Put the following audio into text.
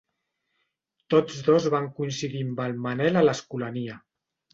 Tots dos van coincidir amb el Manel a l'Escolania.